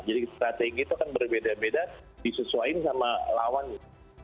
jadi strategi itu kan berbeda beda disesuaikan sama lawannya